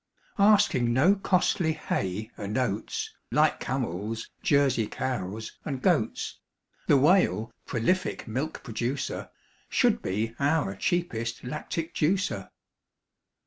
Asking no costly hay and oats, Like camels, Jersey cows, and goats, The Whale, prolific milk producer, Should be our cheapest lactic juicer.